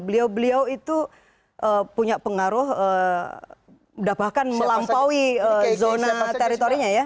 beliau beliau itu punya pengaruh bahkan melampaui zona teritorinya ya